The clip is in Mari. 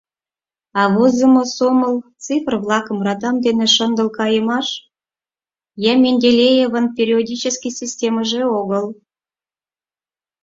А возымо сомыл цифр-влакым радам дене шындыл кайымаш я Менделеевын периодический системыже огыл.